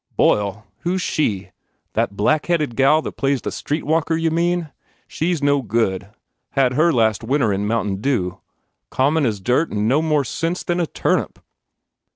"Boyle ? Who s she ? That black headed gal that plays the street walker, y mean? She s no good. Had her last winter in Mountain Dew. Common as dirt and no more sense than a turnip."